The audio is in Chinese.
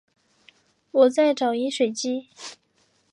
我在找饮水机